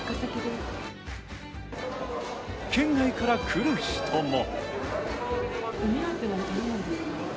県外から来る人も。